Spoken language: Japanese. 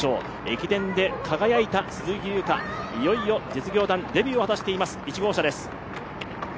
駅伝で輝いた鈴木優花、いよいよ実業団デビューを果たしています。